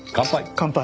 乾杯。